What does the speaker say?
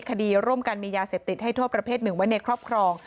คดีร่วมกันมียาเสพติดให้โทษประเภทหนึ่งไว้ในครอบครอง